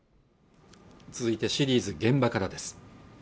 続いてシリーズ現場からです